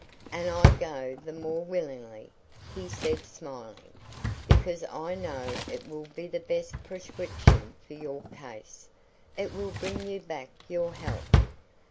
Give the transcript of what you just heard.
"And I go the more willingly," he said smiling, "because I know it will be the best prescription for your case. It will bring you back your health."